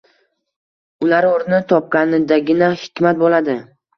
Ular o‘rnini topganidagina hikmat bo‘ladi.